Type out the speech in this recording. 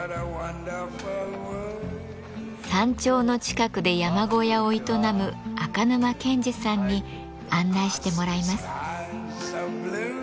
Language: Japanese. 山頂の近くで山小屋を営む赤沼健至さんに案内してもらいます。